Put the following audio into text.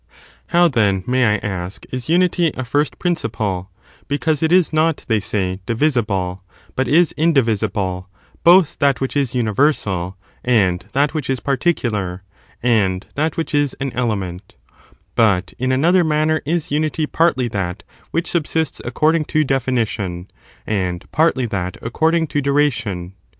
16. How, then, ^ow, then, may I ask, is unity a first prin isunity a first ciple 1 ^ bccause it is not, they say, divisible, but ^^^^ is indivisible, both that which is imiversal, and that which is particular, and that which is an element ; but in another manner is unity partly that which subsists acoord ing to definition, and partly that according to duration.